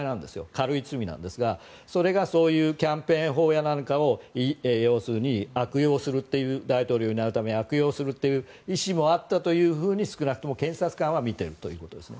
軽い罪なんですがそれがそういうキャンペーン法やらなんかを大統領になるために悪用するという意思もあったというふうに少なくとも検察官は見ているということですね。